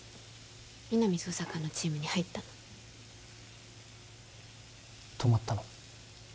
皆実捜査官のチームに入ったの泊まったの？